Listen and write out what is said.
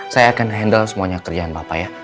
saya akan handle semuanya kerjaan bapak ya